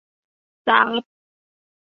จ๊าบ !